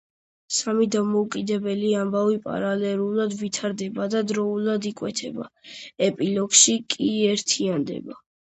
სამი დამოუკიდებელი ამბავი პარალელურად ვითარდება და დროდადრო იკვეთება, ეპილოგში კი ერთიანდება.